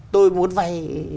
tôi muốn vay